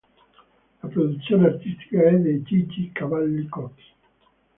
La produzione artistica è di Gigi Cavalli Cocchi.